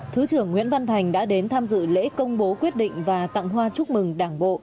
thứ trưởng nguyễn văn thành đã đến tham dự lễ công bố quyết định và tặng hoa chúc mừng đảng bộ